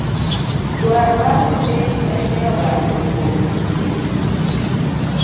Dwaro mar jopiny en nyieo bando kwuom jopurr